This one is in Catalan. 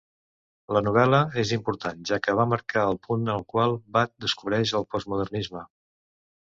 La novel·la és important, ja que va marcar el punt en el qual Barth descobreix el postmodernisme.